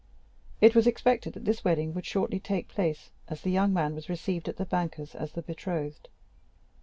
It was expected that this wedding would shortly take place, as the young man was received at the banker's as the betrothed.